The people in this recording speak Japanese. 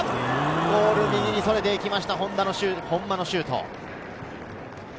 右足のシュートはゴール右にそれていきました、本間のシュート。